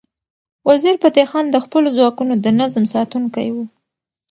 وزیرفتح خان د خپلو ځواکونو د نظم ساتونکی و.